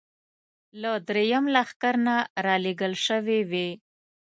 له درېیم لښکر نه را لېږل شوې وې.